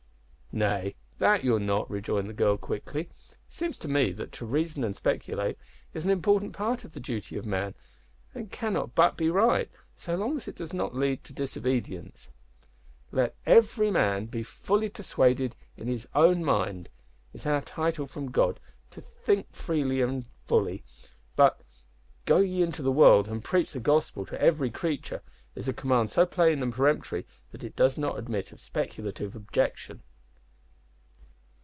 "Nay, that you are not" rejoined the girl, quickly; "it seems to me that to reason and speculate is an important part of the duty of man, and cannot but be right, so long as it does not lead to disobedience. `Let every man be fully persuaded in his own mind,' is our title from God to think fully and freely; but `Go ye into all the world and preach the Gospel to every creature,' is a command so plain and peremptory that it does not admit of speculative objection."